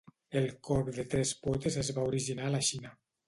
El corb de tres potes es va originar a la Xina.